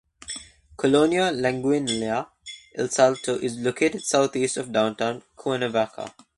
Colonia Lagunilla El Salto is located southeast of downtown Cuernavaca.